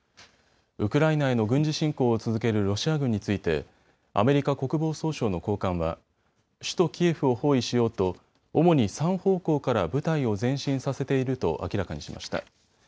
ウクライナへの軍事侵攻を続けるロシア軍についてアメリカ国防総省の高官は首都キエフを包囲しようと主に３方向から部隊を前進させていると明らかにしました。